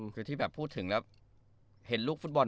คือแบบพูดถึงแล้วเห็นลูกฝุ่น